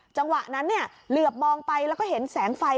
จังหวะนั้นเหลือบมองไปแล้วก็เห็นแสงไฟ